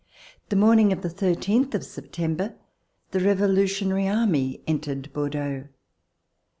The morning of the thirteenth of September, the Revolutionary Army entered Bordeaux.